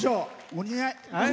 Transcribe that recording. お似合い。